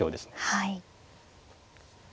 はい。